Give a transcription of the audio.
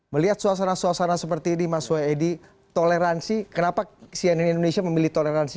melihat suasana suasana seperti ini mas wedi toleransi kenapa cnn indonesia memilih toleransi